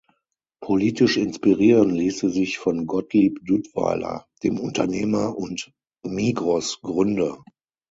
Politisch inspirieren liess sie sich von Gottlieb Duttweiler, dem Unternehmer und Migros-Gründer.